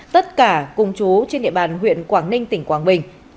tất cả cùng chú trên địa bàn huyện quảng ninh tỉnh quảng bình